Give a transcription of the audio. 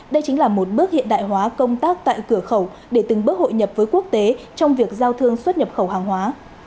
đây chính là một bước hiện đại hóa công tác tại cửa khẩu để từng bước hội nhập với quốc tế trong việc giao thương xuất nhập khẩu hàng hóa